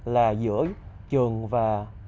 là giữa trường và